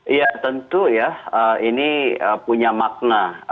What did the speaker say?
iya tentu ya ini punya makna